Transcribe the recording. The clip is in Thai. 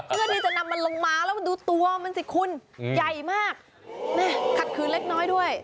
เพื่อที่จะนำมันลงมาแล้วมันดูตัวมันสิคุณใหญ่มากแม่ขัดขืนเล็กน้อยด้วย